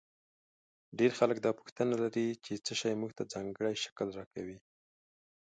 ډېر خلک دا پوښتنه لري چې څه شی موږ ته ځانګړی شکل راکوي.